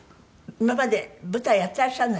今まで舞台やってらっしゃらない？